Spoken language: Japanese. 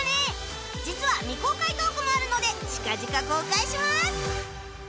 実は未公開トークもあるので近々公開します！